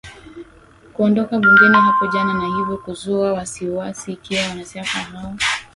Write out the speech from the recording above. kuondoka bungeni hapo jana na hivyo kuzua wasiwasi ikiwa wanasiasa hao